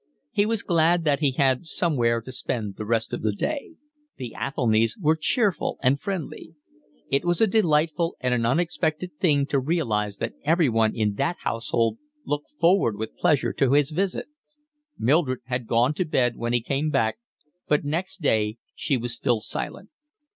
He was glad that he had somewhere to spend the rest of the day; the Athelnys were cheerful and friendly. It was a delightful and an unexpected thing to realise that everyone in that household looked forward with pleasure to his visit. Mildred had gone to bed when he came back, but next day she was still silent.